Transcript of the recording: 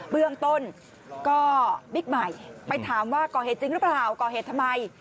เบื้องต้นก็บิ๊กใหม่ไปถามว่าก่อเหตุจริงหรือเปล่าก่อเหตุทำไม